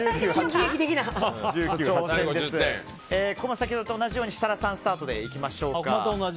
先ほどと同じように設楽さんスタートでいきましょう。